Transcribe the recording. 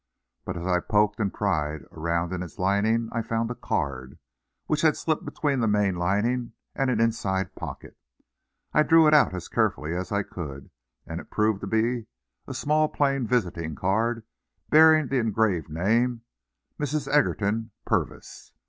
But as I poked and pried around in its lining I found a card, which had slipped between the main lining and an inside pocket. I drew it out as carefully as I could, and it proved to be a small plain visiting card bearing the engraved name, "Mrs. Egerton Purvis."